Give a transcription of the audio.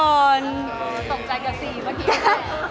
ต้องใจกับสีเมื่อกี้